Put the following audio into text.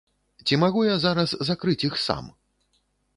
Ці магу я зараз закрыць іх сам?